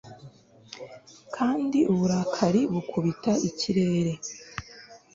Kandi uburakari bukubita ikirere